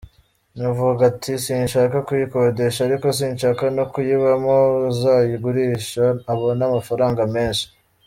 N’uvuga ati ‘sinshaka kuyikodesha ariko sinshaka no kuyibamo’, azayigurisha abone amafaranga menshi.